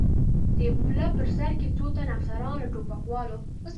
د پله په سر کې څو تنه افسران، له ټوپکوالو.